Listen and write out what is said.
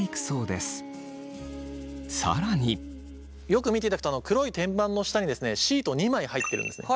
よく見ていただくと黒い天板の下にシート２枚入ってるんですね。